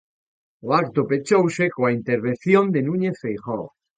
O acto pechouse coa intervención de Núñez Feijóo.